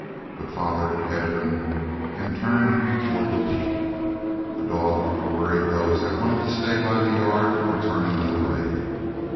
But father headed 'em, and turned 'em towards the peak. The dog worried those that wanted to stay by the yard or turn another way.